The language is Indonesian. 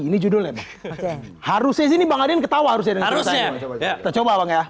ini judulnya harusnya sini bang adian ketawa harusnya harusnya coba coba ya